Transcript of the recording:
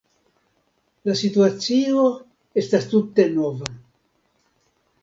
La situacio estas tute nova.